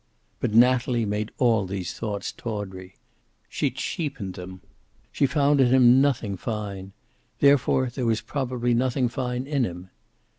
But Natalie made all these thoughts tawdry. She cheapened them. She found in him nothing fine; therefore there was probably nothing fine in him.